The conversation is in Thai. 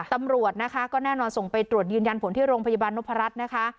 ตำรวจนะคะก็แน่นอนส่งไปตรวจยืนยันผลที่โรงพยาบาลนพรัชนะคะ